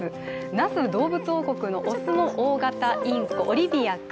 那須どうぶつ王国のオスの大型インコ、オリビア君。